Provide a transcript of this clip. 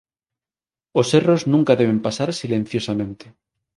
Os erros nunca deben pasar silenciosamente.